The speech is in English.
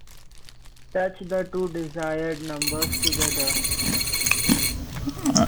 Touch the two desired numbers together.